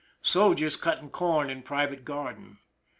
Soldiers cutting corn in private garden.